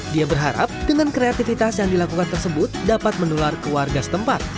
dia berharap dengan kreativitas yang dilakukan tersebut dapat menular ke warga setempat